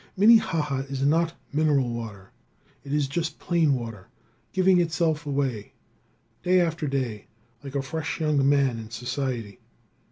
Minnehaha is not mineral water. It is just plain water, giving itself away day after day like a fresh young man in society.